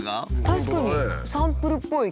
確かにサンプルっぽいきれいで。